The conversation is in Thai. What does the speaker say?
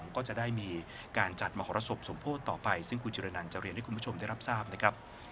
ก็จะได้มีการจัดมหรสบสมโพธิต่อไปซึ่งคุณจิรนันจะเรียนให้คุณผู้ชมได้รับทราบนะครับ